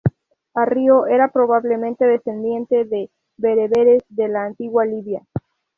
Arrio era, probablemente, descendiente de bereberes de la antigua Libia.